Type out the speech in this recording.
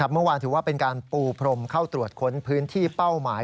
เมื่อวานถือว่าเป็นการปูพรมเข้าตรวจค้นพื้นที่เป้าหมาย